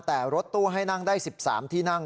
แต่รถตู้ให้นั่งได้๑๓ที่นั่ง